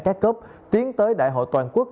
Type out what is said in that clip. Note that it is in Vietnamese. các cấp tiến tới đại hội toàn quốc